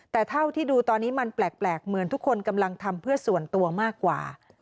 แต่เท่าที่ดูตอนนี้มันแปลกเหมือนทุกคนกำลังทำเพื่อส่วนตัวมากกว่า